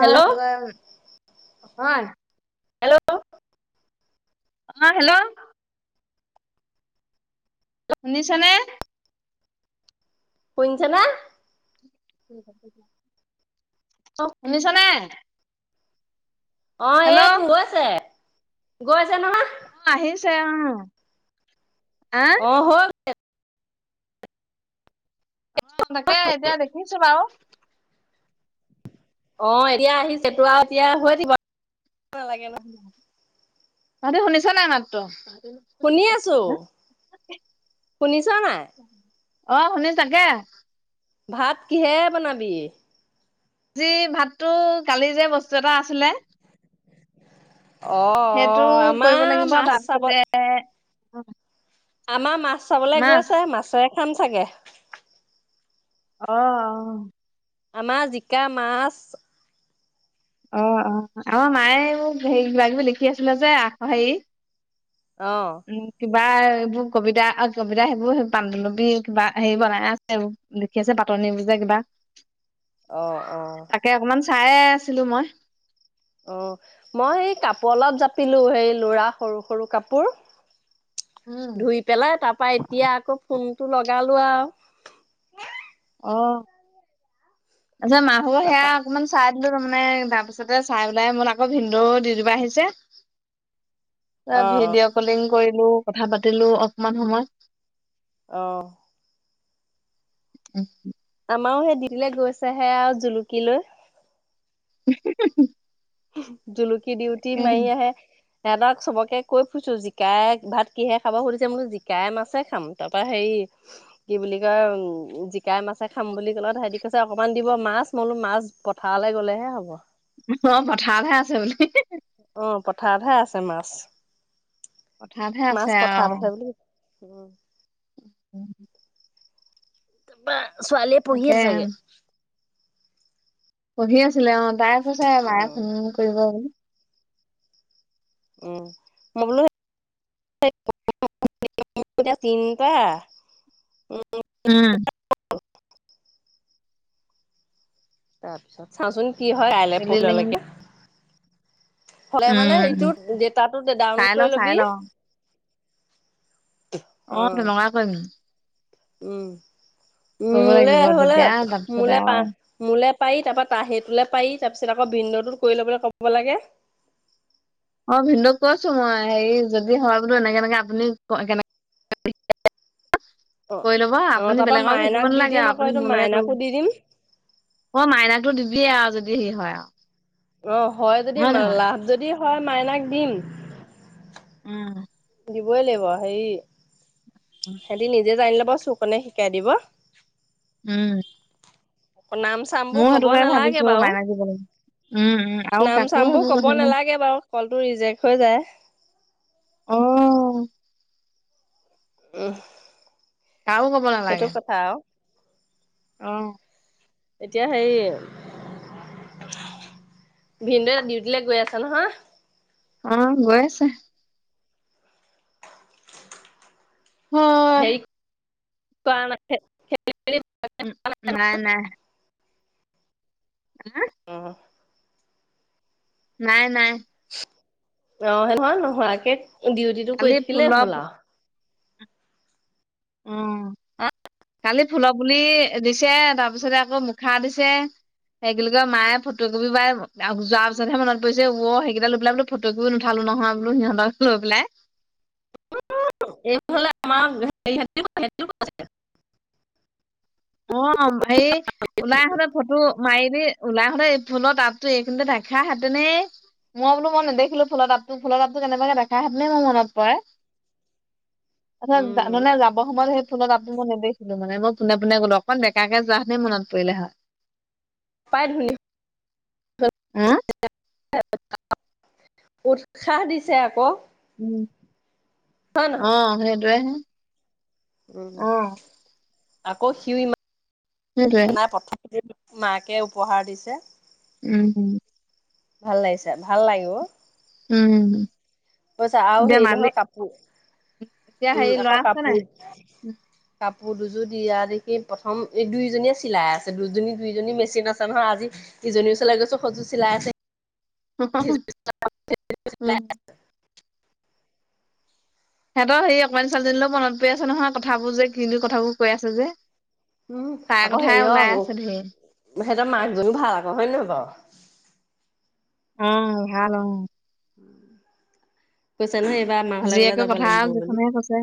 Hello হয় hello অ hello শুনিচা নে শুনিছ না উম শুনিছ নে অ এই তো গৈছে গৈ আছে নহয় অ আহিছে অ আহ অহ হৈ তে অ তাকে এতিয়া দেখিছো বাৰু অ এতিয়া আহিছে তো আৰু এতিয়া হৈ থিব নালাগে ন ততি শুনিছা নাই নাততো শুনি আছো শুনিছ নাই অ শুনিছাগে ভাত কিহে বনাবি যি ভাতটো কালি যে বস্তু এটা আছিলে অ অ সেইটো আমাৰ কৰিব লাগিব মাছ চাব তাৰপিছতে অ আমাৰ মা মাছ চাবলৈ গৈছে, মাছেৰে খাম চাগে আঁহ আঁহ আমাৰ জিকা মাছ অঁ অঁ আমাৰ মায়ে এইবোৰ হে কিবা কিবি লিখি আছিলে যে আঁ হেৰি অঁ উম কিবা এইবোৰ কবিতা কবিতা সেইবোৰ পান্ধুলপী কিবা হেৰি বনাই আছে এইবোৰ লিখি আছে পাতনি বোৰ যে কিবা আঁহ অঁ চায়ে আছিলো মই অঁ মই সেই কাপোৰ অলপ জাপিলো সেই লৰা সৰু সৰু কাপোৰ উম ধুই পেলাই তাৰ পৰা এতিয়া আকৌ ফোন তটো লগালোৱা আৰু অঁ' আঁ মাহৰ সেয়া তাৰপা অকমান চাহ তাৰ মানে তাৰপিছতে চাই পেলাই মোৰ আকৌ ভিনন্দৌ ডিউটিৰ পৰা আহিছে। ন ভিডিঅ কলিং কৰিলো, কথা পাতিলো, অকমান সময় অঁ উম আমাৰো সেই দিলৈ গৈছেহে আৰু জুলুকি লৈ [unintelligible] হুম জুলুকি দিউটি মাৰি তাকে আহে সিহঁতক চবকে কৈ ফুজছো জিকাই ভাত কিহে খাব সুধিছে বোলো জিকাই মাছে খাম তাৰপৰা হেৰি কি বুলি কয় জিকাই মাছে খাম বুলি ক'লে হেহতি কৈছে অকণমান দিব মাছ বোলো মাছ পথাৰলৈ গ'লেহে হ'ব ম পথাৰতহে আছে বুলি অঁ পথাৰতহে আছে মাছ কথাতহে আছে আঁহ অঁ উম। বা [inaudible] ছোৱালীয়ে তাকে পঢ়িচে চাগে। পঢ়ি আছিলে অঁ। তাই কৈছে, মায়ে উম ফোন কৰিব বুলি। মই বোলো এতি চিন্তা [inaudible] উম। অঁ। তাৰপিছত চাওঁচোন কি হয়, কাইলৈ, উম পৰহিলৈকে। হ'লে মানে উম সেইটো ডেতাটো চাই ডাউনলোড ল কৰি চাই ল'বি। ল অ অ, তেনকাই কৰিমি উম। উম কৰিব মোলে লাগিব হলে তেতিয়া মোলে তাৰপিছতে পা আৰু। মোলে পাৰি তাৰপৰা তা হেটোলে পাৰি তাৰ পিছত আকৌ বিন্দটোত কৰি লবলৈ কব লাগে। অ, ভিনন্দুক কৈছো, মই হেৰি যদি হয় বোলো এনেকে এনেকে আপুনি ক কেনে অ কৰি ল'ব অ আপুনি তাৰপা বেলেগক ভেকিব মাইনাক দি নালাগে দিম আৰু আকৌ আপুনি এইটো মোৰলৈ মাইনাকো কৰিব দি দিম মই মাইনাতো দি দিয়া যদি সে হয় আৰু। অ, হয় যদি লাভ যদি হয়, মাইনাক দিম। উম। দিবই লাগিব হেৰি সেতি নিজে জানিলপ- ব চুকনে শিকাই দিব। উম। নাম চামবোৰ ময়ো কব সেইটোকে নালাগে ভাবিছো বাৰু মাইনাক দিব লাগিব উম উম আৰু নাম কাকো চাম বোৰ সেইবোৰ কব কথা নেলাগে বাৰু কলটো ৰিজেক্ট হৈ যায়। অ উ। কাকো ক'ব নালাগে। অ এতিয়া হেৰি ভিনদেউৱে ডিউটিলৈ গৈ আছে নহয় অ, গৈ আছে। হয় সেৰি [unintelligible] উম নাই নাই অহ নাই, নাই। অ, হেন হ নোহোৱাকে ডিউটিটো কালি কৰি থাকিলেই ফুলৰ হ'ল আৰু উম কালি ফুলৰ পুলি দিছে, তাৰপিছতে আকৌ মুখা দিছে সেইগিল কে মায়ে ফটকপি বাই যোৱাৰ পিছতহে মনত পৰিছে সেইকেইটা লৈ পেলাই বোলো ফটকপি নুঠালো নহয় বোলো সিহঁতক লৈ পেলাই এইৰ হলে আমাৰ হেৰি সেতি সেতিও [unintelligible] অ এই ওলাই আহোতে ফটো মাৰিবি ওলাই আহোতে ফুলৰ তাঁবতো এইখিনতে দেখা হেতেনেই মই বোলো মই নেদেখিলো ফুলৰ তাঁতটো ফুলৰ তাঁবটো কেনেবাকে দেখা হতেনেই মোৰ মনত পৰে তাছত উম যাননে যাব সময়ত সেইট ফুলৰ তাবটো মই নেদেখিলোঁ মানে মই পোনে- পোনে গ'লো অকণ বেকাকে যোৱা হেতেন মনত পৰিলে হয়। পাই ধুলি [unintelligible] উৎসাহ দিছে আকৌ উম হয় অ নহয় সেইটোয়ে। উম। আকৌ সিও সেইটোৱে ইমান নাই পথা মাকে উপহাৰ দিছে। উম উম ভাল লাগিছে, ভাল লাগিব। উম পইছা আৰু এতিয়া হেৰি নহয় মালিক কাপোৰ, এতিয়া উম হেৰি ল'ৰা আকৌ আছে নাই? কাপোৰ কাপ কাপোৰ দুযোৰ দিয়া দেখি প্ৰথম এই দুইজনীয়ে চিলাই আছে। দুজনী দুইজনী মেচিন আছে নহয়, আজি ইজনীৰ ওচৰলৈ গৈছোঁ সযোৰ চিলাই আছে উম সিহঁতৰ সেই অকমানি ছোৱালীজনীলৈও মনত পৰি আছে নহয়, কথাবোৰ যে কিনো কথাবোৰ কৈ আছে যে, উম তাইৰ আকৌ কথাই হেৰি অ ওলাই আছে ধেৰ। সিহঁতৰ মাকজনীও ভাল আকৌ হয়ে নহয় বাৰু? অ ভাল অ বেছ- আছে নহয় এইবাৰ মাঘলে গলে জীয়েকৰ যাব কথা লাগিব বুলি। যিখনহে কৈছে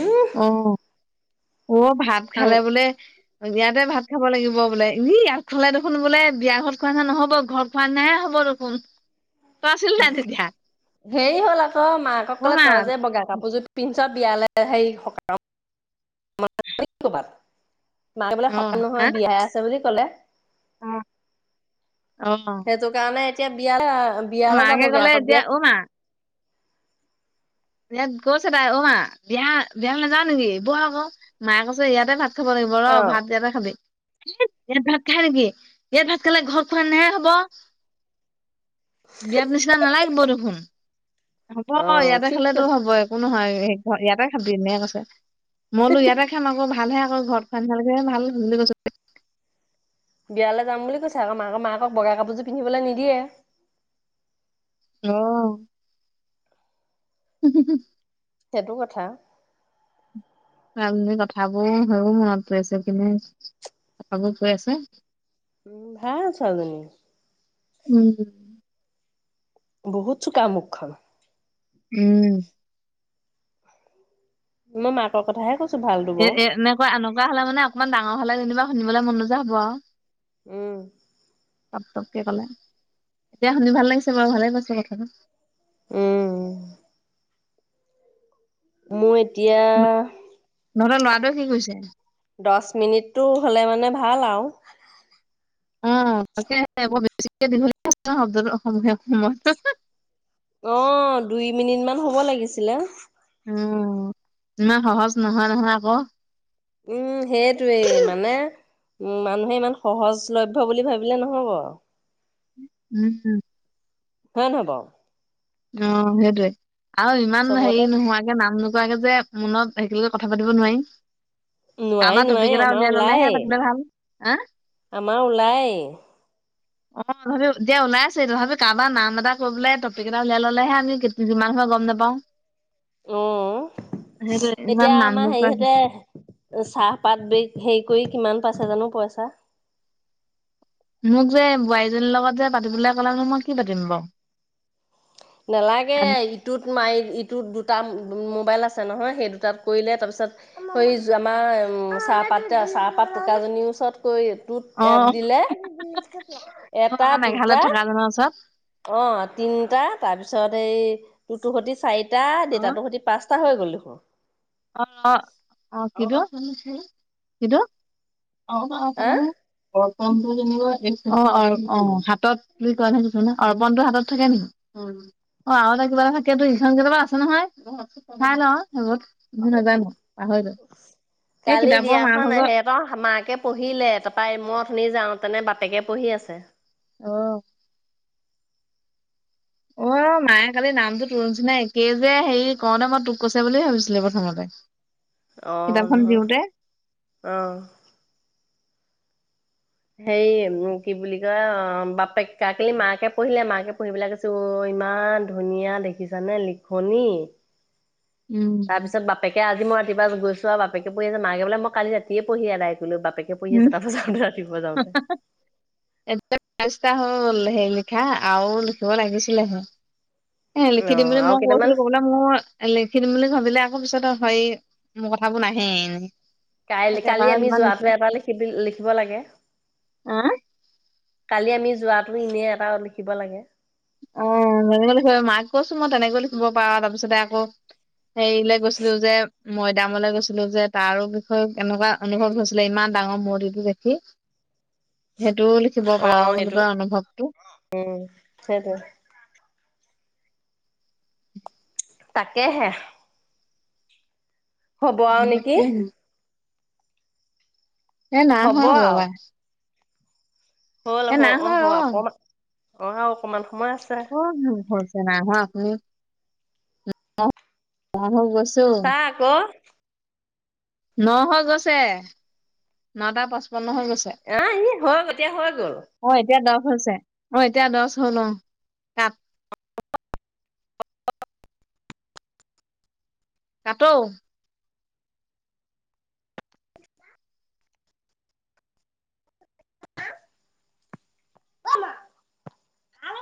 উম অ' অ ভাত আৰু খালে বোলে বিয়াতে ভাত খাব লাগিব বোলে, ই ইয়াত খালে দেখোন বোলে বিয়া ঘৰত খোৱা না নহ'ব ঘৰত খোৱা নাহে হ'ব দেখোন। তই আছিলি নাই তেতিয়া? সেইৰি হ'ল আ ত মাকক অ' ক'লে মা তই যে বগা কাপোৰযোৰ পিন্ধি বিয়াল হে সকাম মাৰিবলে অ' সকাম নহয় আহ বিয়াই আছে বুলি। কলে, অ সেইটো কাৰণে তি [unintelligible] মাকে ক'লে এতিয়া, অ', মা। বিয়াত গৈছে তাই অ', মা বিয়া বিয়ালে নাযাওঁ নেকি? ব'ল আকৌ, মায়ে কৈছে ইয়াতে ভাত খাব লাগিব ৰ, অ ভাত ইয়াতে খাবি। ইয়াত ভাত খাই নেকি? ইয়াত ভাত খালে ঘত খোৱা নিচিনা হে হ'ব। বিয়াত নিচিনা নালাগিব দেখোন। হ'ব, অ ইয়াতে ঠিক খালেতো কৈ হ'ব, একো নহয়। ইয়াতে খাবি, এনেই কৈছে। মইলো ইয়াতে খাম আকৌ, ভাল হে অ', ঘৰত খোৱা [unintelligible] বিয়ালৈ যাম বুলি কৈছে আকৌ, মাকক মাকক বগা কাপোৰযোৰ পিন্ধিবলৈ নিদিয়ে। অহ। হি! হি! হি! সেইটো কথা! [unintelligible] কথাবোৰ হৈও মনত পৰি আছে, কিনো কথাবোৰ কৈ আছে। উম, ভাল ছোৱালীজনী। উম। বহুত চোকা মুখখন। উম। মই মাকৰ কথাহে কৈ এ এনেকুৱা, এনেকুৱা হ'লে মানে অকমান ডাঙ অ', হ'লে যেনিবা শুনিবলৈ মন নোযোৱা হ'ব আৰু। উম। [unintelligible] ক'লে। এতিয়া শুনি ভাল লাগিছে বাৰু ভালে পাইছো কথাটো। উম। মোৰ এ এতিয়া তহঁতৰ ল'ৰাটোৱে কি কৰিছে? দচ মিনিটটো হ'লে মানে ভাল আৰু। অ', তাকে আকৌ বেছিকে দীঘলীয়া [unintelligible] অ', দুই মিনিট মান হ'ব লাগিছিলে। উম, ইমান সহজ নহয়, নহয় আকৌ। উম, সেইটোৱেই মানে, মানুহে ইমান সহজলভ্য বুলি ভাবিলে ন'হব। উম, [unintelligible] হয় নহয় বাৰু? অ', হেইটোৱে। আৰু ইমান হেৰি চবতে নোহোৱাকে নাম নোকোৱাকে যে মনত একেলগে কথা পাতিব নোৱাৰি। নোৱায়ি কাৰোবাৰ টপিক নোৱায়ি এটা আমাৰ উলিয়াই ললেহে ওলায়ে, পাতিলে ভাল। হা? আমাৰ ওলাই। অ', তথাপি এতিয়া ওলাই আছে তথাপি কাৰোবাৰ নাম এটা কৰি পেলাই টপিক এটা উলাই ল'লেহে আমি যিমান সময় গম নাপাওঁ উ, সেইটোৱে ইমান এতিয়া নাম আমাৰ হেৰি নোকোৱাকে। হতে চাহপাত বিষ হেৰি কৰি কিমান পাঁচ হাজাৰো পইছা মোক যে বোৱাৰীজনীৰ লগত যে পাতিবলৈ ক'লে মই কি পাতিম বাৰু। নেলাগে ইটোত মাৰ, ইটোত দুটা মোবাইল আছে। আছে নহয়, সেই দুটাত কৰিলে তাৰপিছত এই আমাৰ চাহপাত, চাহপাত টোকাজনীৰ ওচৰত কৈ ত অ এপ আৰু দিলে এটা আমাৰ মেঘালয়ত দুটা। থকা জনৰ ওচৰত অ তিনটা তাৰপিছত এইতু সতি চাৰিটা টা, অ দেউেতাতৰ সতি পাঁচটা া হৈ গ'ল দেখোন অ অ কিতু অছে ন অ হা অ অ হাতত বুলি কোৱা নাই কছ নে অৰ্পনতো হাতত থাকে নেকি অ আৰু এটা কিবা এটা থাকেো ইখন কেতিয়াবা আছে নহয়ঠাই লেইত ভ নাজানো হদ কালি বিয়াখন সিহঁত মাকে পঢ়িলে তাৰপৰা মত আপুনি যাওঁতেনে বাপকে পঢ়ি আছে অ অ মায়ে কালি নামটো তোনিচিনাই একেই যে হেৰি কওঁতে মই তোক কৈছে বুলি ভাবিছিলো প্ৰথমতে অ কিতাপখন নহয় দিওঁতে অ হেৰি কি বুলি কয় বাপেক কাকেলি মাকে পঢ়িলে মাকে পঢ়িবলৈ কৈছে অ ইমান ধুনীয়া দেখিছানে লিখনি উম তাৰপিছত বাপেকে আজি মই কিবা গৈছো আৰু বাপেকে পঢ়ি আছে মাকে বলে মই কালি ৰাতিয়ে পঢ়ি এদাই কৰিলো [unintelligible] বেপেকে পঢ়ি আছে তাৰ [unintelligible] পৰাওঁতে ৰাতি এ ৰাচ্তা [unintelligible] 'ল হে লিখা আৰু লিখিব লাগিছিলেহে এ লিখি অ দিম বুলি আৰু মই কেইটামান কৈছিলো কবলে মোৰ লিখি দিম বুলি ভাবিলে পিছত হয় মোৰ কথাবোৰ নাহে এনেই কাই কালি এবাৰ আমি ইমান লিখি যোৱাটো এবাৰ লিখিব লিখিব লাগে আহ কালি আমি যোৱাটো এনে এটা লিখিব লাগে অ তেনে ল মাক কৈছো মই তেনেকৈ লিখিব পাৰো তাৰপিছতে আকৌ হেৰিলৈ গৈছিলো যে মৈদামলৈ গৈছিলো যে তাৰো বিষয়ে কেনেকুৱা অনুভৱ হৈছিলে ইমান ডাঙৰ মূৰ্তিটো দেখি সেইটোও লিখিব অ পাৰ বুলি সেইটো তই অনুভৱটো সেইটো তাকেহে হ'ব আৰু নেকি তাকে এ নাই হ'ব হোৱা আৰু বাবা হল হ অ আকমান অহা অকমান স ক'ত নো হৈ চনাই হোৱা আঁচনি। অন হৈ গৈছ চা আকৌ। ন হৈ গৈছে, নটা পাঁচ আহ ই হৈ এতিয়া হৈ হ'ল। অ এতিয়া দহ হৈছে, অ এতিয়া দহ হ'ল অ, কাট। কাট ও। অ' মা।